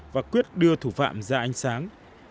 và quyết đưa thủ phạm ra ánh sáng